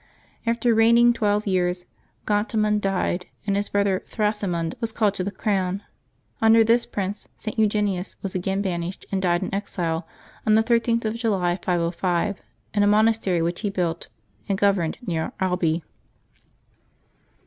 After reigning twelve years, Gontamund died, and his brother Thrasimund was called to the crown. Under this prince St. Eugenius was again banished, and died in exile, on the 13th of July, 505, in a monastery which he built and governed, near Albi.